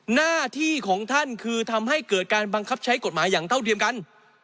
หน้าที่ของท่านคือทำให้เกิดการบังคับใช้กฎหมายอย่างเท่าเทียมกัน